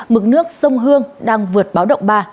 mực nước sông hương đang vượt báo động ba